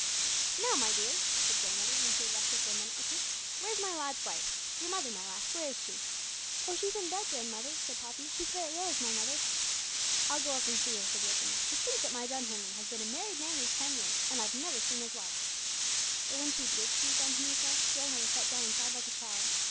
'Now, my dear,' said grandmother, when she had rested for a minute or two, 'where's my lad's wife? Your mother, my lass; where is she?' 'Oh, she's in bed, grandmother!' said Poppy. 'She's very ill, is my mother.' 'I'll go up and see her,' said the old woman. 'To think that my John Henry has been a married man these ten years, and I've never seen his wife!' But when she did see John Henry's wife, grandmother sat down and sobbed like a child.